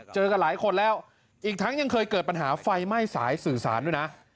เจอกันหลายคนแล้วอีกทั้งยังเคยเกิดปัญหาไฟไหม้สายสื่อสารด้วยนะ